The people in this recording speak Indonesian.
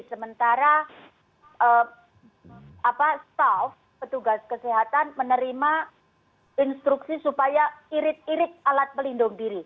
sementara staff petugas kesehatan menerima instruksi supaya irit irit alat pelindung diri